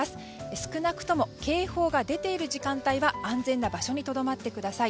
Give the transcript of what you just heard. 少なくとも警報が出ている時間帯は安全な場所にとどまってください。